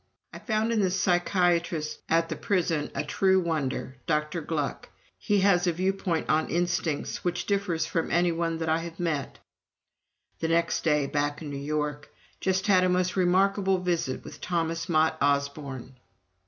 "I found in the psychiatrist at the prison a true wonder Dr. Glueck. He has a viewpoint on instincts which differs from any one that I have met." The next day, back in New York: "Just had a most remarkable visit with Thomas Mott Osborne."